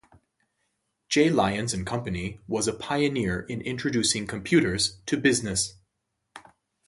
J. Lyons and Company was a pioneer in introducing computers to business.